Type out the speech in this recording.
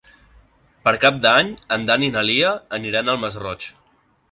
Per Cap d'Any en Dan i na Lia aniran al Masroig.